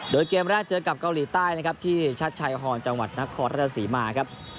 โดยเกมแรกเจอกับเกาหลีใต้นะครับที่ชัดชายฮอนจังหวัดนครราชสีมาครับ